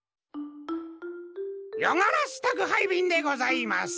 ヨガラス宅配便でございます。